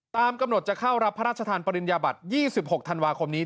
ตามกำหนดจะเข้ารับพระราชทานปริญญาบัตร๒๖ธันวาคมนี้